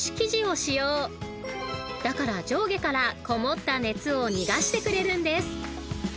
［だから上下からこもった熱を逃がしてくれるんです］